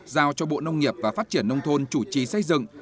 giao cho bộ nông nghiệp và phát triển nông thôn chủ trì xây dựng